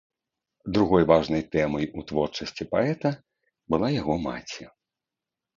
Другой важнай тэмай у творчасці паэта была яго маці.